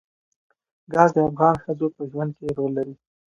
ګاز د افغان ښځو په ژوند کې رول لري.